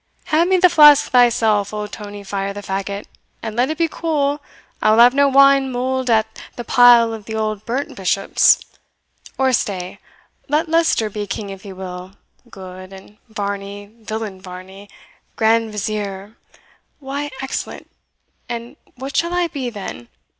Hand me the flask thyself, old Tony Fire the Fagot and let it be cool I will have no wine mulled at the pile of the old burnt bishops. Or stay, let Leicester be king if he will good and Varney, villain Varney, grand vizier why, excellent! and what shall I be, then?